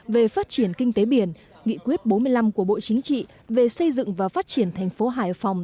về phát triển kinh tế biển nghị quyết bốn mươi năm của bộ chính trị về xây dựng và phát triển thành phố hải phòng